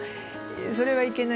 それはいけない。